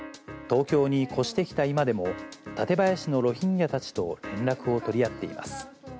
東京に越してきた今でも、館林のロヒンギャたちと連絡を取り合っています。